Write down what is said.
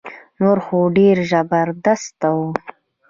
نور خو ډير زبردست وو